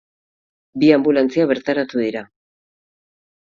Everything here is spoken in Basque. Bi anbulantzia bertaratu dira.